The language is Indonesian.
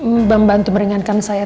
membantu meringankan saya